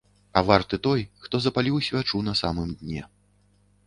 А варты той, хто запаліў свячу на самым дне.